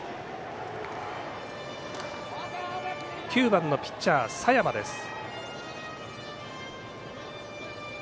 ９番のピッチャー、佐山です。